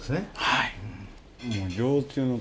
はい。